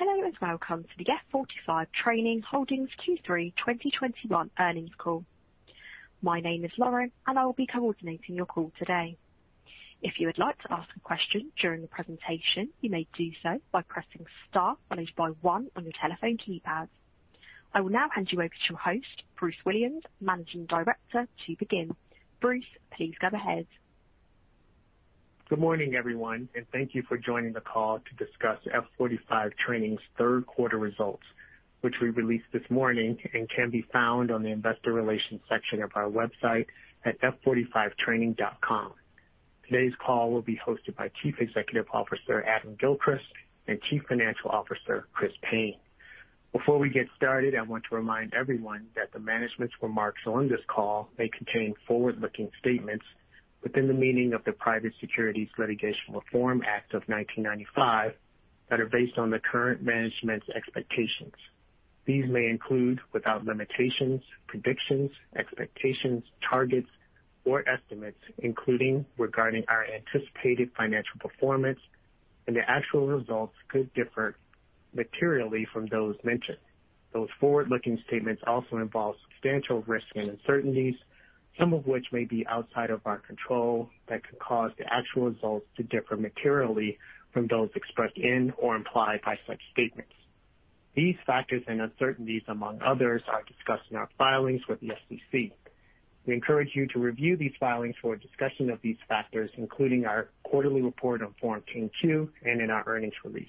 Hello, and welcome to the F45 Training Holdings Q3 2021 Earnings Call. My name is Lauren, and I will be coordinating your call today. If you would like to ask a question during the presentation, you may do so by pressing star followed by one on your telephone keypad. I will now hand you over to your host, Bruce Williams, Managing Director, to begin. Bruce, please go ahead. Good morning, everyone, and thank you for joining the call to discuss F45 Training's third quarter results, which we released this morning and can be found on the investor relations section of our website at f45training.com. Today's call will be hosted by Chief Executive Officer, Adam Gilchrist, and Chief Financial Officer, Chris Payne. Before we get started, I want to remind everyone that the management's remarks on this call may contain forward-looking statements within the meaning of the Private Securities Litigation Reform Act of 1995 that are based on the current management's expectations. These may include, without limitations, predictions, expectations, targets or estimates, including regarding our anticipated financial performance, and the actual results could differ materially from those mentioned. Those forward-looking statements also involve substantial risks and uncertainties, some of which may be outside of our control that could cause the actual results to differ materially from those expressed in or implied by such statements. These factors and uncertainties, among others, are discussed in our filings with the SEC. We encourage you to review these filings for a discussion of these factors, including our quarterly report on Form 10-Q and our earnings release.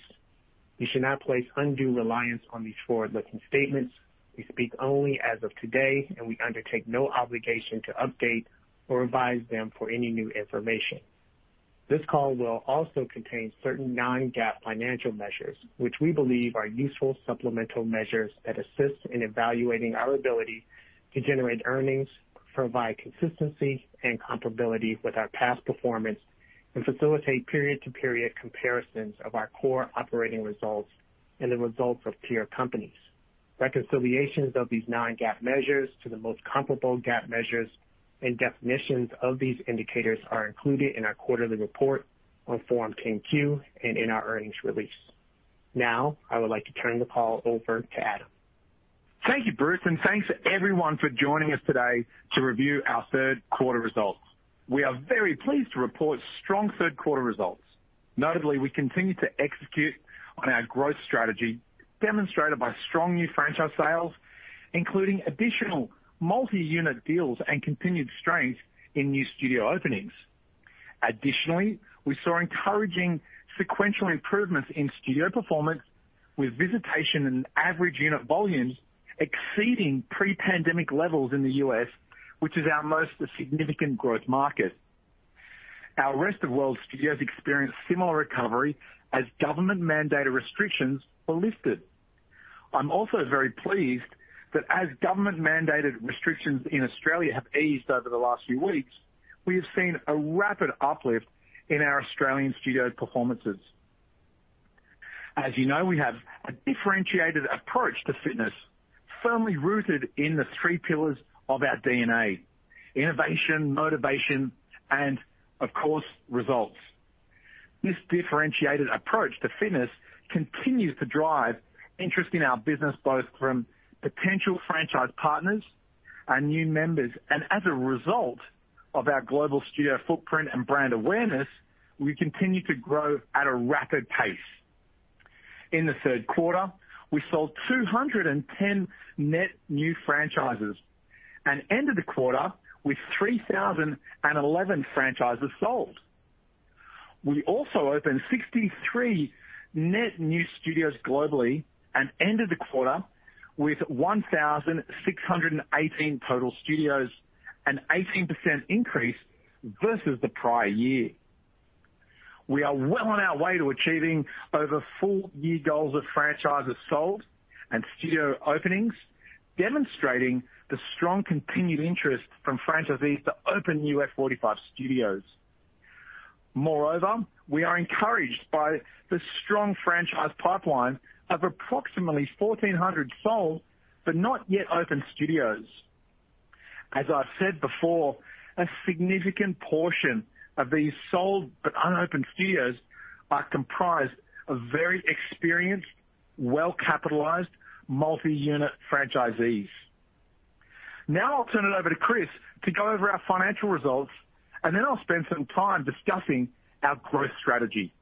You should not place undue reliance on these forward-looking statements. We speak only as of today, and we undertake no obligation to update or revise them for any new information. This call will also contain certain non-GAAP financial measures, which we believe are useful supplemental measures that assist in evaluating our ability to generate earnings, provide consistency and comparability with our past performance, and facilitate period-to-period comparisons of our core operating results and the results of peer companies. Reconciliations of these non-GAAP measures to the most comparable GAAP measures and definitions of these indicators are included in our quarterly report on Form 10-Q and in our earnings release. Now, I would like to turn the call over to Adam. Thank you, Bruce, and thanks to everyone for joining us today to review our third quarter results. We are very pleased to report strong third quarter results. Notably, we continue to execute on our growth strategy demonstrated by strong new franchise sales, including additional multi-unit deals and continued strength in new studio openings. Additionally, we saw encouraging sequential improvements in studio performance with visitation and average unit volumes exceeding pre-pandemic levels in the U.S., which is our most significant growth market. Our rest-of-world studios experienced similar recovery as government-mandated restrictions were lifted. I'm also very pleased that as government-mandated restrictions in Australia have eased over the last few weeks, we have seen a rapid uplift in our Australian studio performances. As you know, we have a differentiated approach to fitness firmly rooted in the three pillars of our DNA, innovation, motivation, and of course, results. This differentiated approach to fitness continues to drive interest in our business, both from potential franchise partners and new members. As a result of our global studio footprint and brand awareness, we continue to grow at a rapid pace. In the third quarter, we sold 210 net new franchises and ended the quarter with 3,011 franchises sold. We also opened 63 net new studios globally and ended the quarter with 1,618 total studios, an 18% increase versus the prior year. We are well on our way to achieving our full-year goals of franchises sold and studio openings, demonstrating the strong continued interest from franchisees to open new F45 studios. Moreover, we are encouraged by the strong franchise pipeline of approximately 1,400 sold but not yet open studios. As I've said before, a significant portion of these sold but unopened studios are comprised of very experienced, well-capitalized, multi-unit franchisees. Now I'll turn it over to Chris to go over our financial results, and then I'll spend some time discussing our growth strategy.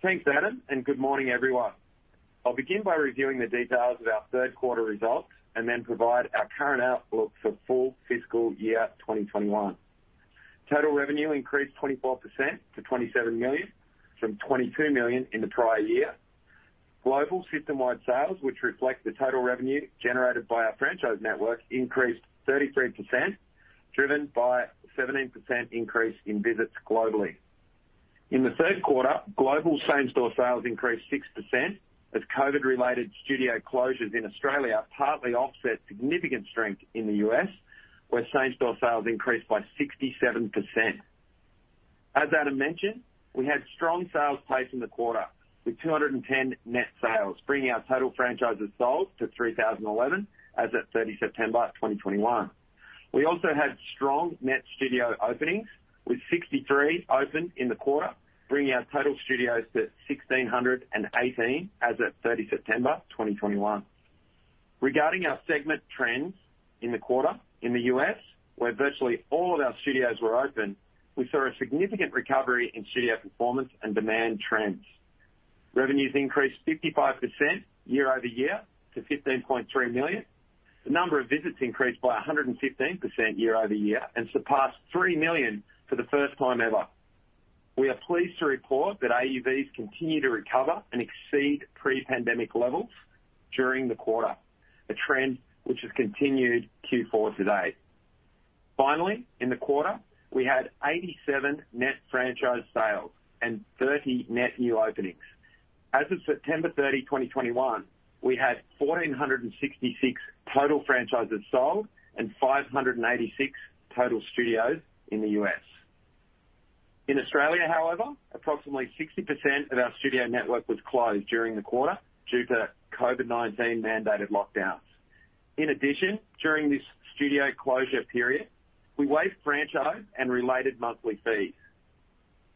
Thanks, Adam, and good morning, everyone. I'll begin by reviewing the details of our third quarter results and then provide our current outlook for full fiscal year 2021. Total revenue increased 24% to $27 million from $22 million in the prior year. Global system-wide sales, which reflect the total revenue generated by our franchise network, increased 33%, driven by 17% increase in visits globally. In the third quarter, global same-store sales increased 6% as COVID-related studio closures in Australia partly offset significant strength in the U.S., where same-store sales increased by 67%. As Adam mentioned, we had strong sales pace in the quarter, with 210 net sales, bringing our total franchises sold to 3,011 as at 30 September 2021. We also had strong net studio openings with 63 open in the quarter, bringing our total studios to 1,618 as at 30 September 2021. Regarding our segment trends in the quarter, in the U.S., where virtually all of our studios were open, we saw a significant recovery in studio performance and demand trends. Revenues increased 55% year-over-year to $15.3 million. The number of visits increased by 115% year-over-year and surpassed 3 million for the first time ever. We are pleased to report that AUVs continue to recover and exceed pre-pandemic levels during the quarter, a trend which has continued Q4 to date. Finally, in the quarter, we had 87 net franchise sales and 30 net new openings. As of September 30, 2021, we had 1,466 total franchises sold and 586 total studios in the U.S. In Australia, however, approximately 60% of our studio network was closed during the quarter due to COVID-19 mandated lockdowns. In addition, during this studio closure period, we waived franchise and related monthly fees.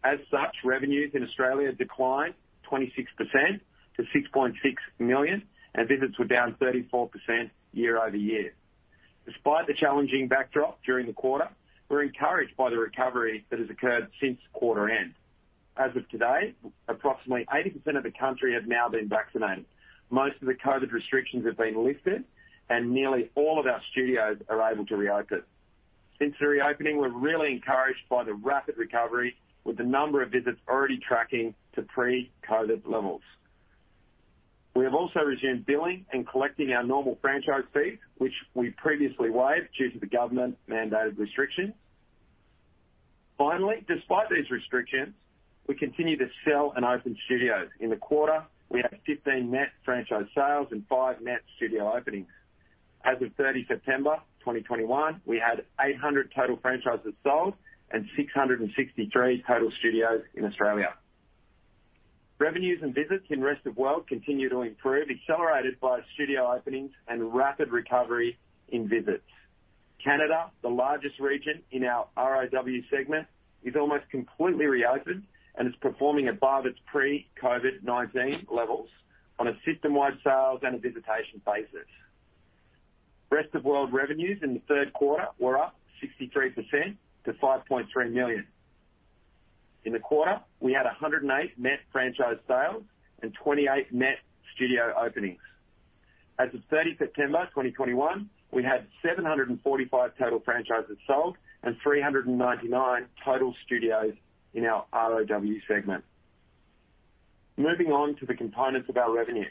As such, revenues in Australia declined 26% to $6.6 million, and visits were down 34% year-over-year. Despite the challenging backdrop during the quarter, we're encouraged by the recovery that has occurred since quarter end. As of today, approximately 80% of the country have now been vaccinated. Most of the COVID restrictions have been lifted, and nearly all of our studios are able to reopen. Since the reopening, we're really encouraged by the rapid recovery with the number of visits already tracking to pre-COVID levels. We have also resumed billing and collecting our normal franchise fees, which we previously waived due to the government-mandated restrictions. Finally, despite these restrictions, we continue to sell and open studios. In the quarter, we had 15 net franchise sales and five net studio openings. As of 30 September 2021, we had 800 total franchises sold and 663 total studios in Australia. Revenues and visits in Rest of World continue to improve, accelerated by studio openings and rapid recovery in visits. Canada, the largest region in our ROW segment, is almost completely reopened and is performing above its pre-COVID-19 levels on a system-wide sales and a visitation basis. Rest of World revenues in the third quarter were up 63% to $5.3 million. In the quarter, we had 108 net franchise sales and 28 net studio openings. As of September 30, 2021, we had 745 total franchises sold and 399 total studios in our ROW segment. Moving on to the components of our revenue.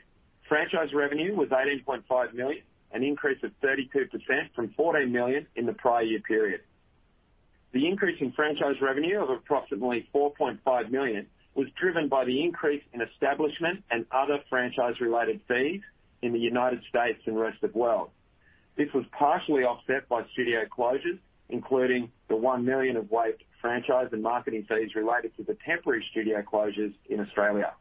Franchise revenue was $18.5 million, an increase of 32% from $14 million in the prior year period. The increase in franchise revenue of approximately $4.5 million was driven by the increase in establishment and other franchise-related fees in the United States and Rest of World. This was partially offset by studio closures, including the $1 million of waived franchise and marketing fees related to the temporary studio closures in Australia.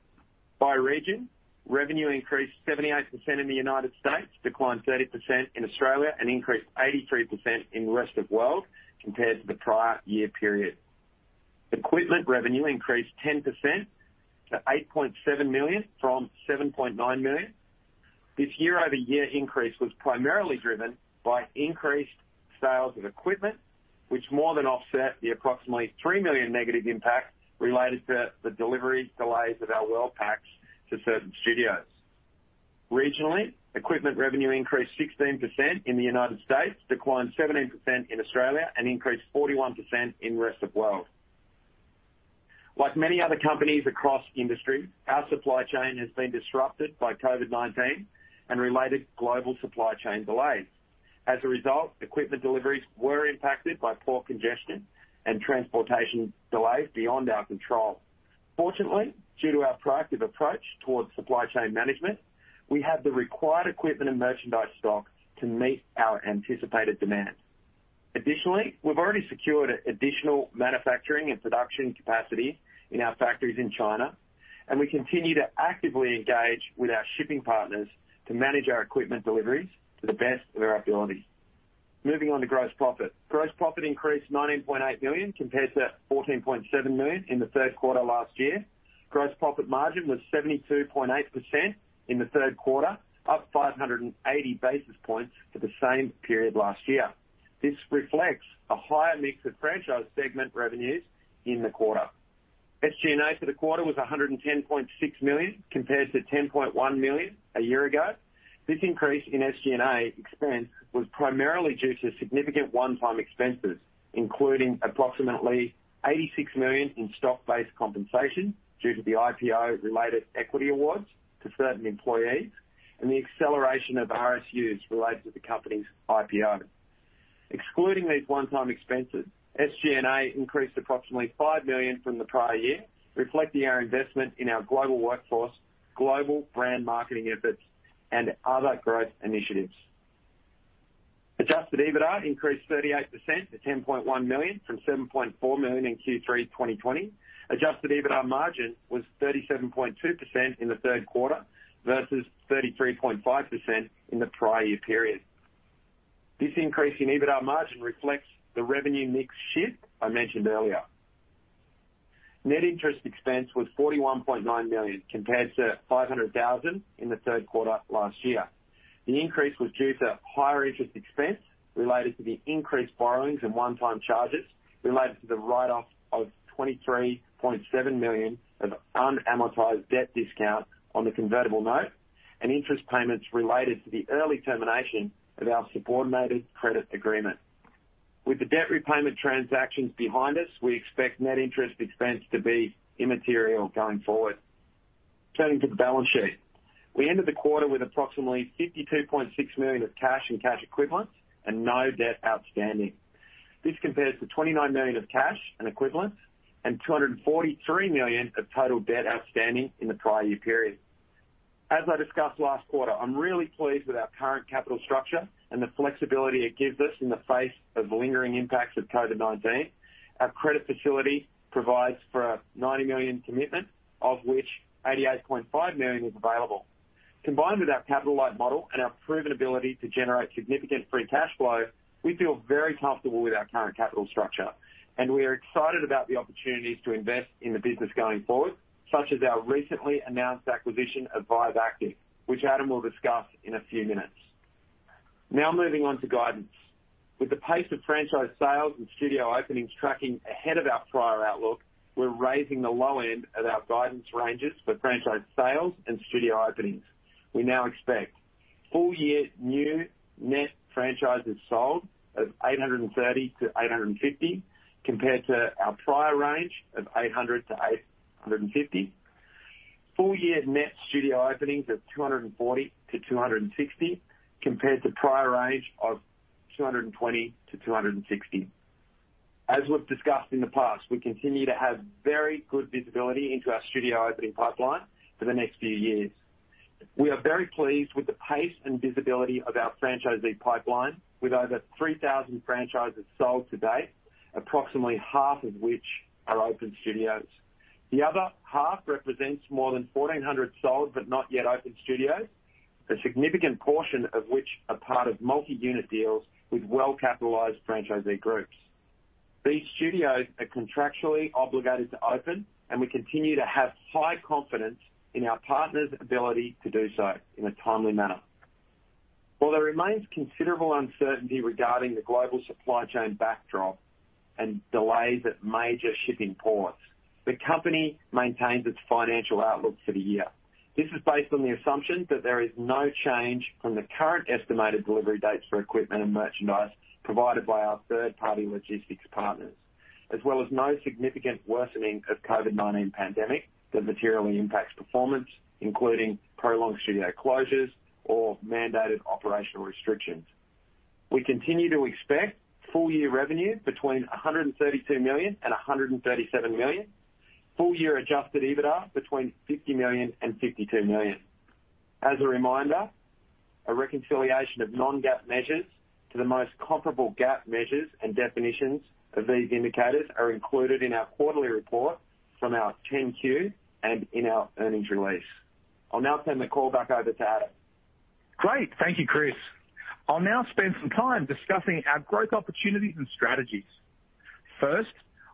By region, revenue increased 78% in the United States, declined 30% in Australia, and increased 83% in rest of world compared to the prior year period. Equipment revenue increased 10% to $8.7 million from $7.9 million. This year-over-year increase was primarily driven by increased sales of equipment, which more than offset the approximately $3 million negative impact related to the delivery delays of our World Packs to certain studios. Regionally, equipment revenue increased 16% in the United States, declined 17% in Australia, and increased 41% in rest of world. Like many other companies across industry, our supply chain has been disrupted by COVID-19 and related global supply chain delays. As a result, equipment deliveries were impacted by port congestion and transportation delays beyond our control. Fortunately, due to our proactive approach toward supply chain management, we have the required equipment and merchandise stock to meet our anticipated demands. Additionally, we've already secured additional manufacturing and production capacity in our factories in China, and we continue to actively engage with our shipping partners to manage our equipment deliveries to the best of our ability. Moving on to gross profit. Gross profit increased $19.8 million compared to $14.7 million in the third quarter last year. Gross profit margin was 72.8% in the third quarter, up 580 basis points to the same period last year. This reflects a higher mix of franchise segment revenues in the quarter. SG&A for the quarter was $110.6 million, compared to $10.1 million a year ago. This increase in SG&A expense was primarily due to significant one-time expenses, including approximately $86 million in stock-based compensation due to the IPO-related equity awards to certain employees and the acceleration of RSUs related to the company's IPO. Excluding these one-time expenses, SG&A increased approximately $5 million from the prior year, reflecting our investment in our global workforce, global brand marketing efforts, and other growth initiatives. Adjusted EBITDA increased 38% to $10.1 million from $7.4 million in Q3 2020. Adjusted EBITDA margin was 37.2% in the third quarter versus 33.5% in the prior year period. This increase in EBITDA margin reflects the revenue mix shift I mentioned earlier. Net interest expense was $41.9 million compared to $500,000 in the third quarter last year. The increase was due to higher interest expense related to the increased borrowings and one-time charges related to the write-off of $23.7 million of unamortized debt discount on the convertible note and interest payments related to the early termination of our subordinated credit agreement. With the debt repayment transactions behind us, we expect net interest expense to be immaterial going forward. Turning to the balance sheet. We ended the quarter with approximately $52.6 million of cash and cash equivalents and no debt outstanding. This compares to $29 million of cash and equivalents and $243 million of total debt outstanding in the prior year period. As I discussed last quarter, I'm really pleased with our current capital structure and the flexibility it gives us in the face of lingering impacts of COVID-19. Our credit facility provides for a $90 million commitment, of which $88.5 million is available. Combined with our capital-light model and our proven ability to generate significant free cash flow, we feel very comfortable with our current capital structure, and we are excited about the opportunities to invest in the business going forward, such as our recently announced acquisition of Vive Active, which Adam will discuss in a few minutes. Now moving on to guidance. With the pace of franchise sales and studio openings tracking ahead of our prior outlook, we're raising the low end of our guidance ranges for franchise sales and studio openings. We now expect full year new net franchises sold of 830-850 compared to our prior range of 800-850. Full year net studio openings of 240-260 compared to prior range of 220-260. We've discussed in the past, we continue to have very good visibility into our studio opening pipeline for the next few years. We are very pleased with the pace and visibility of our franchisee pipeline with over 3,000 franchises sold to date, approximately half of which are open studios. The other half represents more than 1,400 sold but not yet open studios, a significant portion of which are part of multi-unit deals with well-capitalized franchisee groups. These studios are contractually obligated to open, and we continue to have high confidence in our partners' ability to do so in a timely manner. While there remains considerable uncertainty regarding the global supply chain backdrop and delays at major shipping ports, the company maintains its financial outlook for the year. This is based on the assumption that there is no change from the current estimated delivery dates for equipment and merchandise provided by our third-party logistics partners, as well as no significant worsening of COVID-19 pandemic that materially impacts performance, including prolonged studio closures or mandated operational restrictions. We continue to expect full year revenue between $132 million and $137 million. Full year adjusted EBITDA between $50 million and $52 million. As a reminder, a reconciliation of non-GAAP measures to the most comparable GAAP measures and definitions of these indicators are included in our quarterly report, Form 10-Q, and in our earnings release. I'll now turn the call back over to Adam. Great. Thank you, Chris. I'll now spend some time discussing our growth opportunities and strategies. First,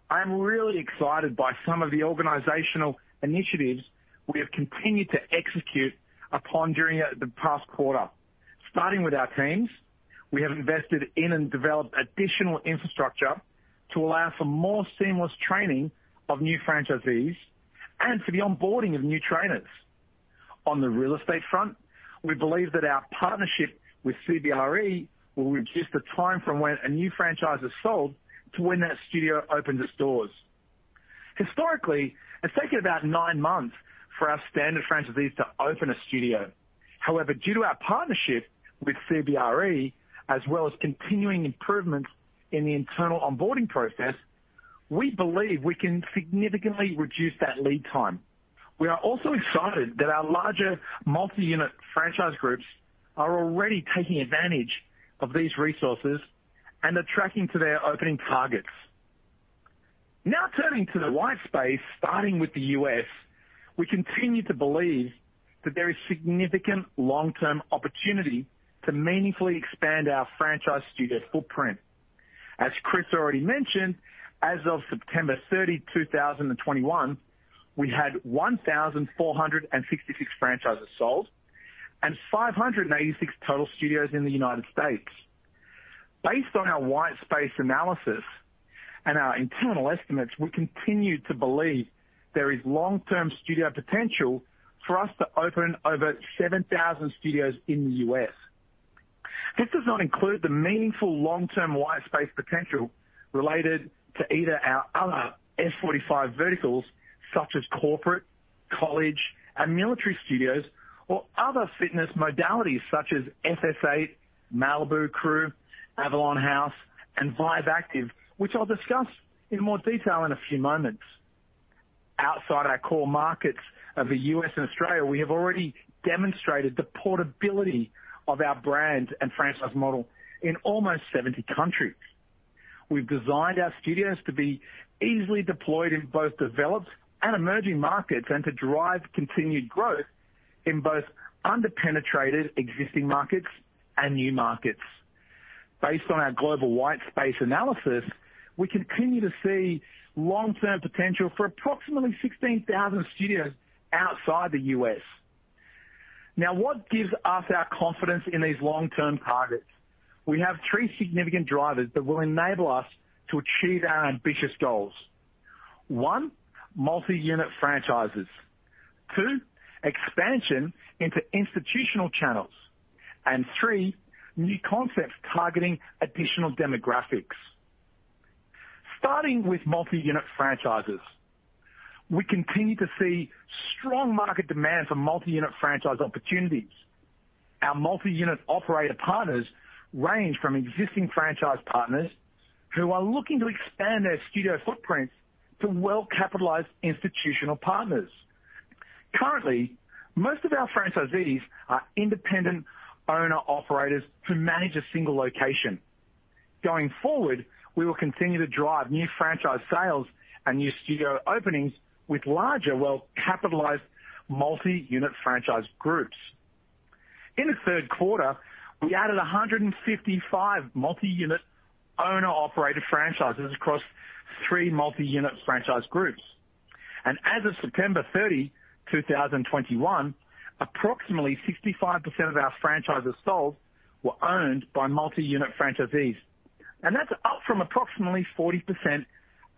I am really excited by some of the organizational initiatives we have continued to execute upon during the past quarter. Starting with our teams, we have invested in and developed additional infrastructure to allow for more seamless training of new franchisees and for the onboarding of new trainers. On the real estate front, we believe that our partnership with CBRE will reduce the time from when a new franchise is sold to when that studio opens its doors. Historically, it's taken about nine months for our standard franchisees to open a studio. However, due to our partnership with CBRE, as well as continuing improvements in the internal onboarding process, we believe we can significantly reduce that lead time. We are also excited that our larger multi-unit franchise groups are already taking advantage of these resources and are tracking to their opening targets. Now turning to the white space, starting with the U.S., we continue to believe that there is significant long-term opportunity to meaningfully expand our franchise studio footprint. As Chris already mentioned, as of September 30, 2021, we had 1,466 franchises sold and 586 total studios in the United States. Based on our white space analysis and our internal estimates, we continue to believe there is long-term studio potential for us to open over 7,000 studios in the U.S. This does not include the meaningful long-term white space potential related to either our other F45 verticals, such as corporate, college, and military studios, or other fitness modalities such as FS8, Malibu Crew, Avalon House, and Vive Active, which I'll discuss in more detail in a few moments. Outside our core markets of the U.S. and Australia, we have already demonstrated the portability of our brand and franchise model in almost 70 countries. We've designed our studios to be easily deployed in both developed and emerging markets and to drive continued growth in both under-penetrated existing markets and new markets. Based on our global white space analysis, we continue to see long-term potential for approximately 16,000 studios outside the U.S. Now, what gives us our confidence in these long-term targets? We have three significant drivers that will enable us to achieve our ambitious goals. One, multi-unit franchises, two, expansion into institutional channels, and three, new concepts targeting additional demographics. Starting with multi-unit franchises, we continue to see strong market demand for multi-unit franchise opportunities. Our multi-unit operator partners range from existing franchise partners who are looking to expand their studio footprints to well-capitalized institutional partners. Currently, most of our franchisees are independent owner-operators who manage a single location. Going forward, we will continue to drive new franchise sales and new studio openings with larger, well-capitalized multi-unit franchise groups. In the third quarter, we added 155 multi-unit owner-operated franchises across three multi-unit franchise groups. As of September 30, 2021, approximately 65% of our franchises sold were owned by multi-unit franchisees, and that's up from approximately 40%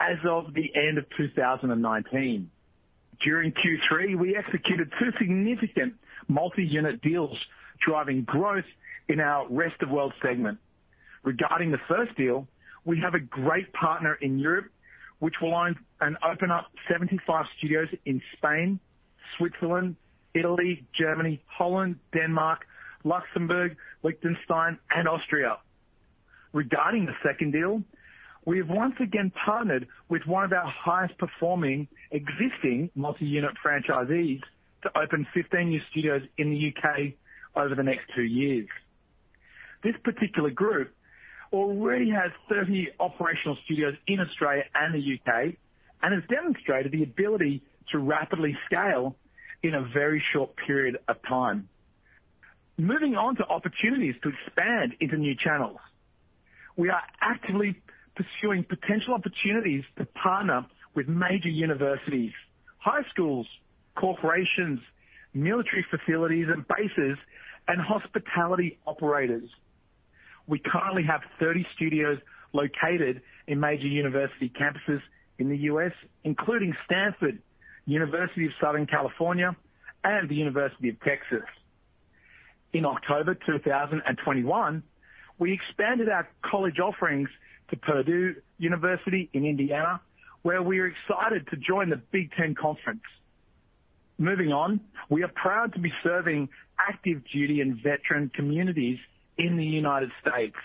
as of the end of 2019. During Q3, we executed two significant multi-unit deals driving growth in our Rest of World segment. Regarding the first deal, we have a great partner in Europe which will own and open up 75 studios in Spain, Switzerland, Italy, Germany, Holland, Denmark, Luxembourg, Liechtenstein and Austria. Regarding the second deal, we have once again partnered with one of our highest performing existing multi-unit franchisees to open 15 new studios in the U.K. over the next two years. This particular group already has 30 operational studios in Australia and the U.K. and has demonstrated the ability to rapidly scale in a very short period of time. Moving on to opportunities to expand into new channels. We are actively pursuing potential opportunities to partner with major universities, high schools, corporations, military facilities and bases, and hospitality operators. We currently have 30 studios located in major university campuses in the U.S., including Stanford, University of Southern California, and the University of Texas. In October 2021, we expanded our college offerings to Purdue University in Indiana, where we are excited to join the Big Ten Conference. Moving on, we are proud to be serving active duty and veteran communities in the United States.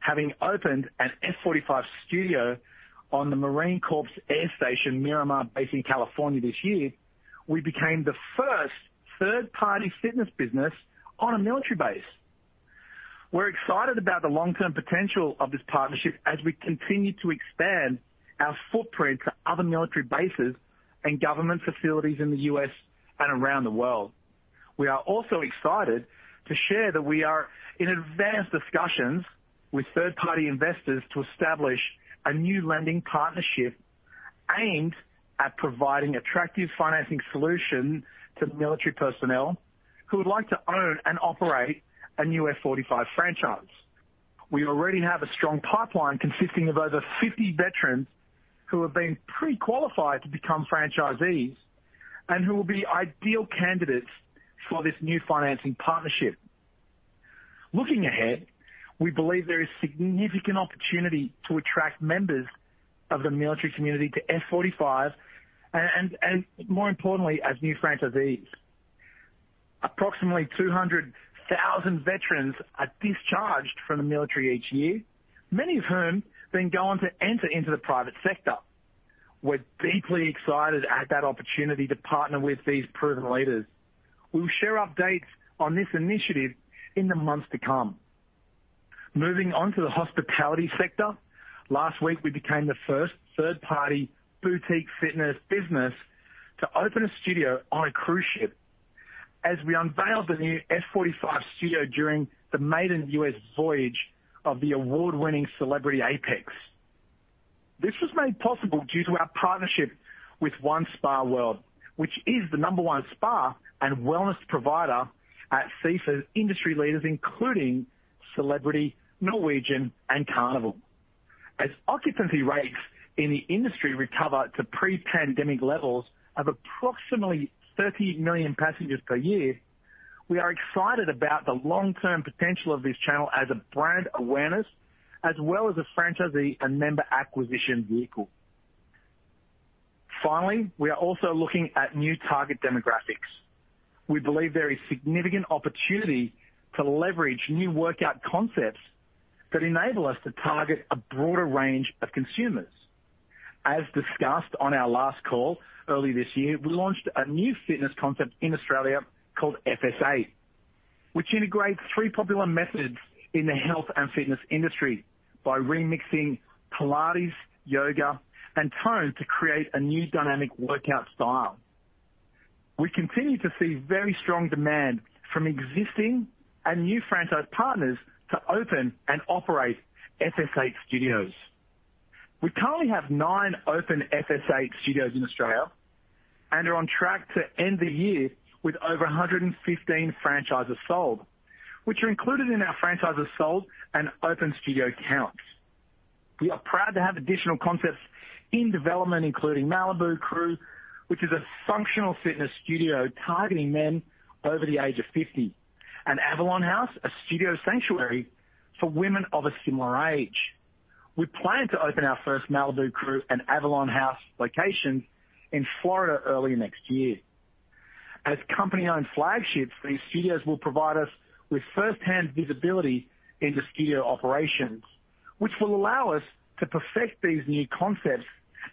Having opened an F45 studio on the Marine Corps Air Station Miramar base in California this year, we became the first third-party fitness business on a military base. We're excited about the long-term potential of this partnership as we continue to expand our footprint to other military bases and government facilities in the U.S. and around the world. We are also excited to share that we are in advanced discussions with third-party investors to establish a new lending partnership aimed at providing attractive financing solution to military personnel who would like to own and operate a new F45 franchise. We already have a strong pipeline consisting of over 50 veterans who have been pre-qualified to become franchisees and who will be ideal candidates for this new financing partnership. Looking ahead, we believe there is significant opportunity to attract members of the military community to F45 and more importantly, as new franchisees. Approximately 200,000 veterans are discharged from the military each year, many of whom then go on to enter into the private sector. We're deeply excited at that opportunity to partner with these proven leaders. We will share updates on this initiative in the months to come. Moving on to the hospitality sector. Last week, we became the first third-party boutique fitness business to open a studio on a cruise ship. We unveiled the new F45 studio during the maiden U.S. voyage of the award-winning Celebrity Apex. This was made possible due to our partnership with OneSpaWorld, which is the number one spa and wellness provider at sea for industry leaders including Celebrity, Norwegian and Carnival. As occupancy rates in the industry recover to pre-pandemic levels of approximately 30 million passengers per year, we are excited about the long-term potential of this channel as a brand awareness as well as a franchisee and member acquisition vehicle. Finally, we are also looking at new target demographics. We believe there is significant opportunity to leverage new workout concepts that enable us to target a broader range of consumers. As discussed on our last call early this year, we launched a new fitness concept in Australia called FS8, which integrates three popular methods in the health and fitness industry by remixing Pilates, yoga, and tone to create a new dynamic workout style. We continue to see very strong demand from existing and new franchise partners to open and operate FS8 studios. We currently have nine open FS8 studios in Australia, and are on track to end the year with over 115 franchises sold, which are included in our franchises sold and open studio counts. We are proud to have additional concepts in development, including Malibu Crew, which is a functional fitness studio targeting men over the age of 50, and Avalon House, a studio sanctuary for women of a similar age. We plan to open our first Malibu Crew and Avalon House locations in Florida early next year. As company-owned flagships, these studios will provide us with firsthand visibility into studio operations, which will allow us to perfect these new concepts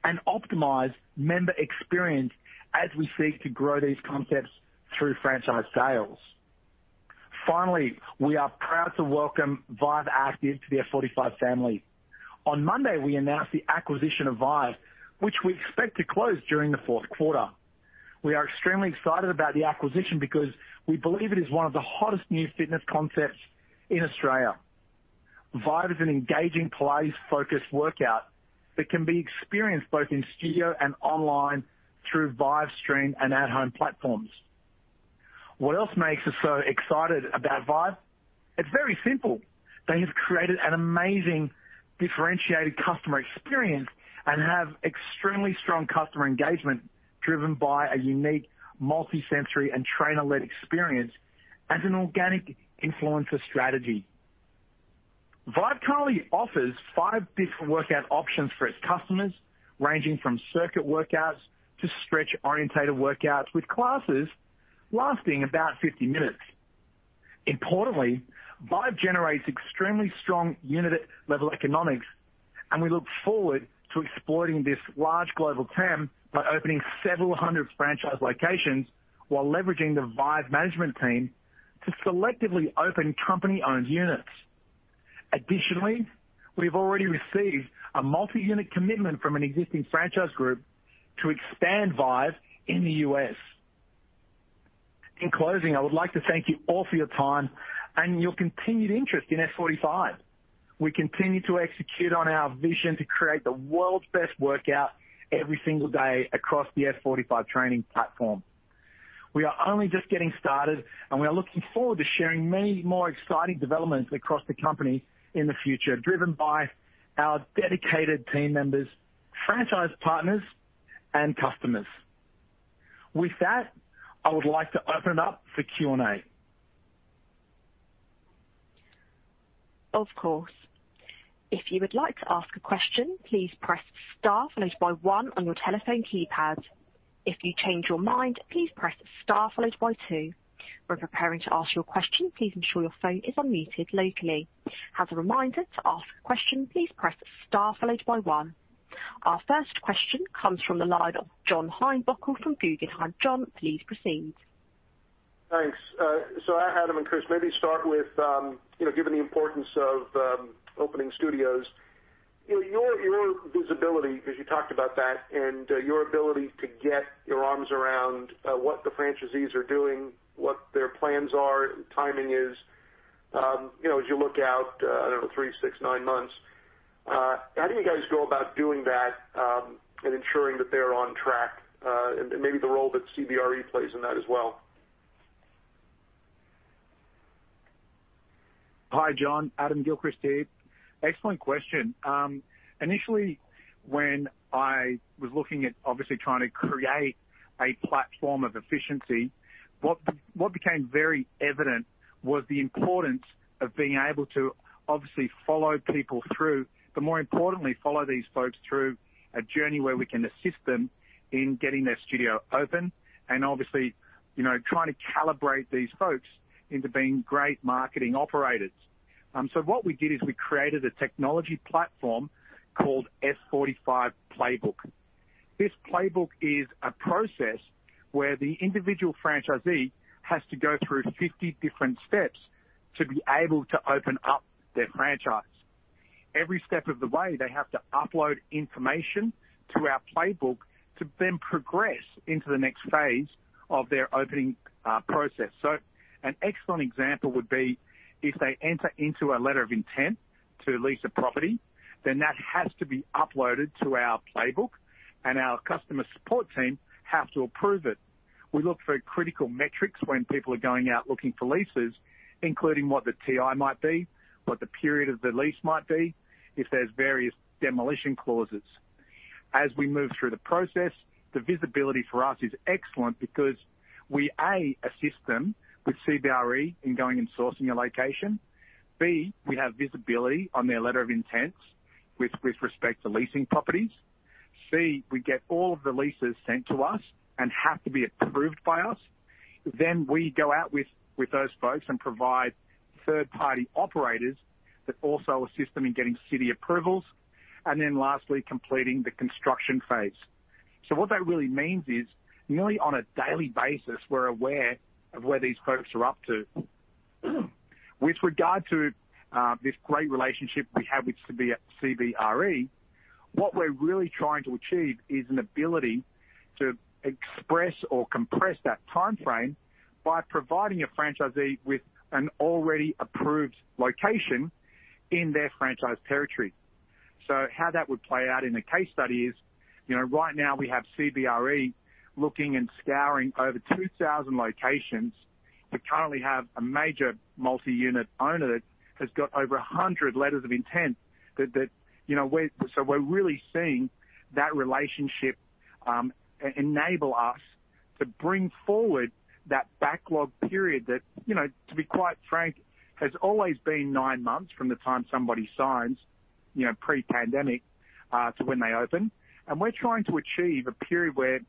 and optimize member experience as we seek to grow these concepts through franchise sales. Finally, we are proud to welcome Vive Active to the F45 family. On Monday, we announced the acquisition of Vive, which we expect to close during the fourth quarter. We are extremely excited about the acquisition because we believe it is one of the hottest new fitness concepts in Australia. Vive is an engaging, Pilates-focused workout that can be experienced both in studio and online through Vive Stream and at-home platforms. What else makes us so excited about Vive? It's very simple. They have created an amazing differentiated customer experience and have extremely strong customer engagement driven by a unique multi-sensory and trainer-led experience as an organic influencer strategy. Vive currently offers five different workout options for its customers, ranging from circuit workouts to stretch-oriented workouts, with classes lasting about 50 minutes. Importantly, Vive generates extremely strong unit-level economics, and we look forward to exploiting this large global TAM by opening several hundred franchise locations while leveraging the Vive management team to selectively open company-owned units. Additionally, we've already received a multi-unit commitment from an existing franchise group to expand Vive in the U.S. In closing, I would like to thank you all for your time and your continued interest in F45. We continue to execute on our vision to create the world's best workout every single day across the F45 Training platform. We are only just getting started, and we are looking forward to sharing many more exciting developments across the company in the future, driven by our dedicated team members, franchise partners, and customers. With that, I would like to open it up for Q&A. Our first question comes from the line of John Heinbockel from Guggenheim. John, please proceed. Thanks. So Adam and Chris, maybe start with, you know, given the importance of opening studios, your visibility, 'cause you talked about that, and your ability to get your arms around what the franchisees are doing, what their plans are, timing is, you know, as you look out, I don't know, three, six, nine months, how do you guys go about doing that, and ensuring that they're on track, and maybe the role that CBRE plays in that as well? Hi, John. Adam Gilchrist here. Excellent question. Initially when I was looking at obviously trying to create a platform of efficiency, what became very evident was the importance of being able to obviously follow people through, but more importantly, follow these folks through a journey where we can assist them in getting their studio open and obviously, you know, trying to calibrate these folks into being great marketing operators. What we did is we created a technology platform called F45 Playbook. This playbook is a process where the individual franchisee has to go through 50 different steps to be able to open up their franchise. Every step of the way, they have to upload information to our playbook to then progress into the next phase of their opening process. An excellent example would be if they enter into a letter of intent to lease a property, then that has to be uploaded to our Playbook, and our customer support team have to approve it. We look for critical metrics when people are going out looking for leases, including what the TI might be, what the period of the lease might be, if there's various demolition clauses. As we move through the process, the visibility for us is excellent because we, A, assist them with CBRE in going and sourcing a location. B, we have visibility on their letter of intents with respect to leasing properties. C, we get all of the leases sent to us and have to be approved by us. We go out with those folks and provide third-party operators that also assist them in getting city approvals, and then lastly, completing the construction phase. What that really means is nearly on a daily basis, we're aware of where these folks are up to. With regard to this great relationship we have with CBRE, what we're really trying to achieve is an ability to expedite or compress that timeframe by providing a franchisee with an already approved location in their franchise territory. How that would play out in a case study is, you know, right now we have CBRE looking and scouring over 2,000 locations. We currently have a major multi-unit owner that has got over 100 letters of intent that you know we're really seeing that relationship enable us to bring forward that backlog period that you know to be quite frank has always been nine months from the time somebody signs you know pre-pandemic to when they open. We're trying to achieve a period where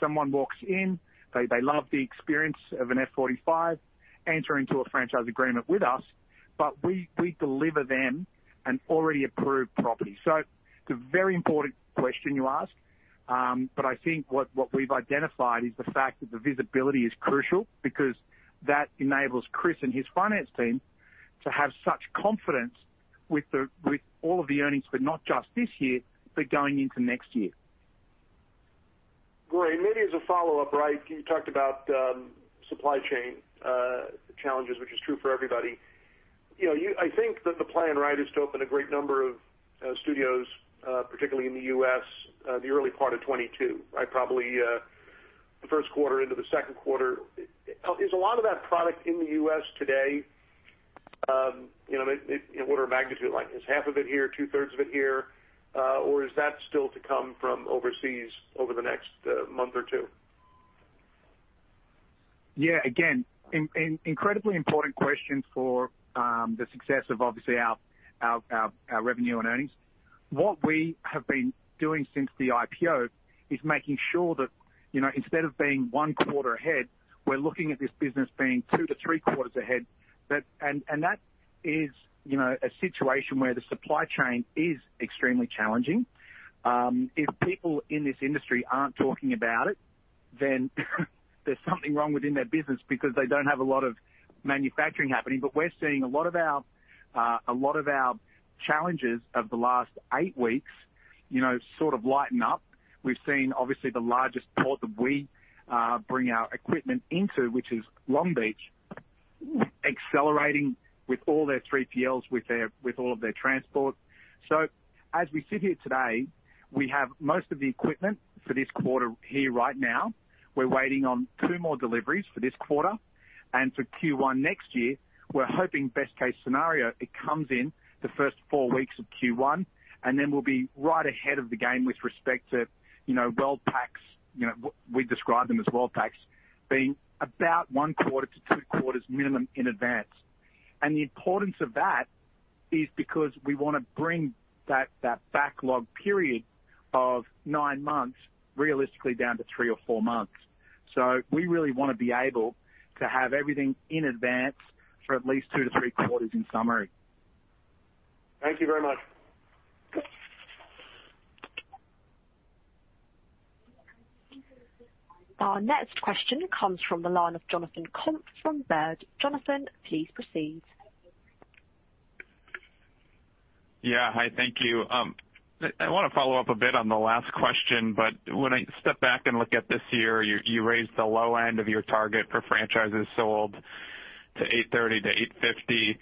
someone walks in, they love the experience of an F45, enter into a franchise agreement with us, but we deliver them an already approved property. It's a very important question you ask. I think what we've identified is the fact that the visibility is crucial because that enables Chris and his finance team to have such confidence with all of the earnings, but not just this year, but going into next year. Great. Maybe as a follow-up, right, you talked about supply chain challenges, which is true for everybody. You know, I think that the plan, right, is to open a great number of studios, particularly in the U.S., the early part of 2022, right? Probably, the first quarter into the second quarter. Is a lot of that product in the U.S. today, you know, in order of magnitude, like, is half of it here, two-thirds of it here, or is that still to come from overseas over the next month or two? Yeah, again, an incredibly important question for the success of obviously our revenue and earnings. What we have been doing since the IPO is making sure that, you know, instead of being one quarter ahead, we're looking at this business being 2-3 quarters ahead. That is, you know, a situation where the supply chain is extremely challenging. If people in this industry aren't talking about it, then there's something wrong within their business because they don't have a lot of manufacturing happening. We're seeing a lot of our challenges of the last eight weeks, you know, sort of lighten up. We've seen obviously the largest port that we bring our equipment into, which is Long Beach, accelerating with all their 3PLs, with all of their transport. As we sit here today, we have most of the equipment for this quarter here right now. We're waiting on two more deliveries for this quarter. For Q1 next year, we're hoping best case scenario, it comes in the first four weeks of Q1, and then we'll be right ahead of the game with respect to, you know, World Packs. You know, we describe them as World Packs, being about 1-2 quarters minimum in advance. The importance of that is because we wanna bring that backlog period of nine months, realistically down to three or four months. We really wanna be able to have everything in advance for at least 2-3 quarters in summary. Thank you very much. Our next question comes from the line of Jonathan Komp from Baird. Jonathan, please proceed. Yeah. Hi, thank you. I wanna follow up a bit on the last question, but when I step back and look at this year, you raised the low end of your target for franchises sold to 830-850.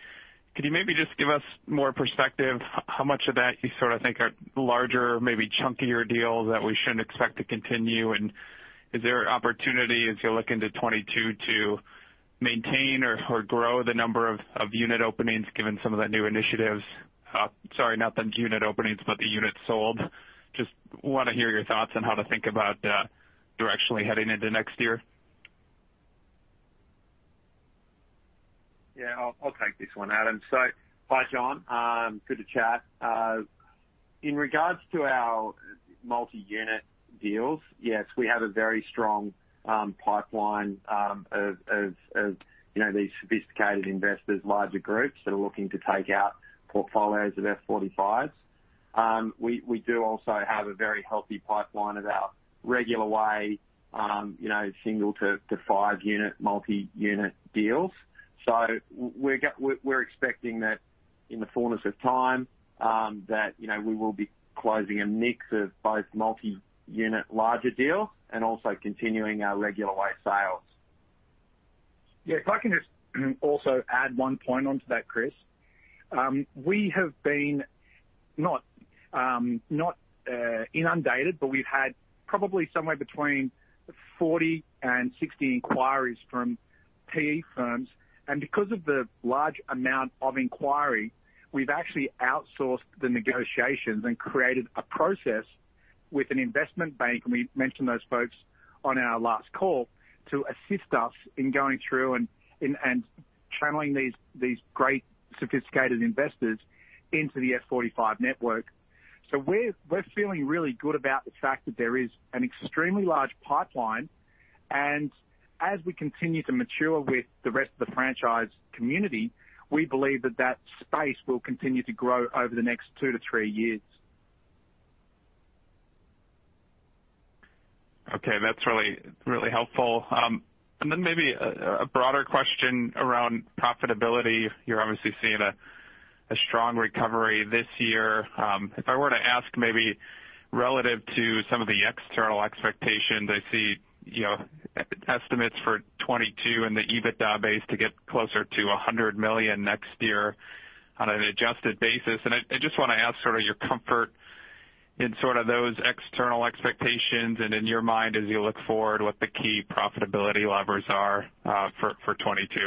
Could you maybe just give us more perspective, how much of that you sort of think are larger, maybe chunkier deals that we shouldn't expect to continue? And is there opportunity as you look into 2022 to maintain or grow the number of unit openings given some of the new initiatives? Sorry, not the unit openings, but the units sold. Just wanna hear your thoughts on how to think about directionally heading into next year. Yeah. I'll take this one, Adam. Hi, John. Good to chat. In regards to our multi-unit deals, yes, we have a very strong pipeline of you know these sophisticated investors, larger groups that are looking to take out portfolios of F45s. We do also have a very healthy pipeline of our regular way you know single to 5-unit multi-unit deals. We're expecting that in the fullness of time that you know we will be closing a mix of both multi-unit larger deals and also continuing our regular way sales. Yeah. If I can just also add one point onto that, Chris. We have not been inundated, but we've had probably somewhere between 40 and 60 inquiries from PE firms. Because of the large amount of inquiry, we've actually outsourced the negotiations and created a process with an investment bank, and we mentioned those folks on our last call, to assist us in going through and channeling these great sophisticated investors into the F45 network. We're feeling really good about the fact that there is an extremely large pipeline, and as we continue to mature with the rest of the franchise community, we believe that space will continue to grow over the next 2-3 years. Okay, that's really, really helpful. Then maybe a broader question around profitability. You're obviously seeing a strong recovery this year. If I were to ask maybe relative to some of the external expectations, I see, you know, estimates for 2022 and the EBITDA base to get closer to $100 million next year on an adjusted basis. I just wanna ask sort of your comfort in sort of those external expectations and in your mind as you look forward, what the key profitability levers are for 2022.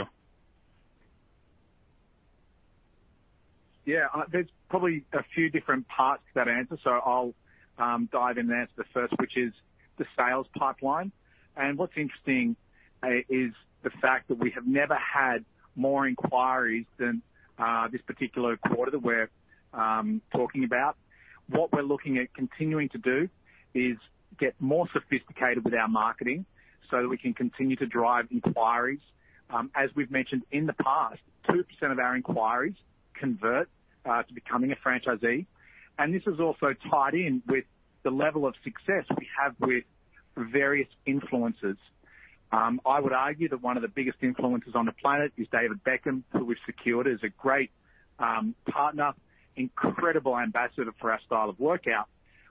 Yeah. There's probably a few different parts to that answer, so I'll dive in and answer the first, which is the sales pipeline. What's interesting is the fact that we have never had more inquiries than this particular quarter that we're talking about. What we're looking at continuing to do is get more sophisticated with our marketing so that we can continue to drive inquiries. As we've mentioned in the past, 2% of our inquiries convert to becoming a franchisee, and this is also tied in with the level of success we have with various influencers. I would argue that one of the biggest influencers on the planet is David Beckham, who we've secured as a great partner, incredible ambassador for our style of workout.